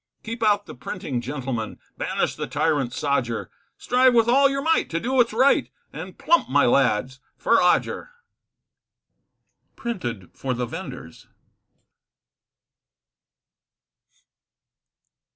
Keep out the printing gentleman, Banish the tyrant sodger, Strive with all your might to do what's right, And plump my lads for Odger. Printed for the Vendors.